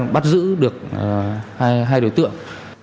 bắt giữ được hai đối tượng